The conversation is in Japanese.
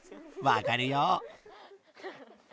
わかるよ。